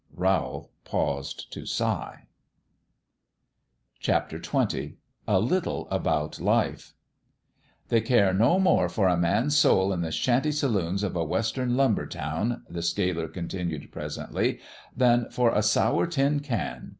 " Rowl paused to sigh. XX A LITTLE ABOUT LIFE " ^"~1 ^HEY care no more for a man's soul in $ the shanty saloons of a Western * lumber town," the sealer continued, presently, " than for a sour tin can.